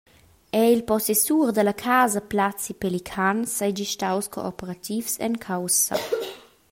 Era il possessur dalla casa, Placi Pelican, seigi staus cooperativs en caussa.